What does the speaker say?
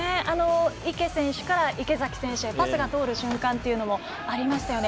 池選手から池崎選手にパスが通る瞬間というのもありましたよね。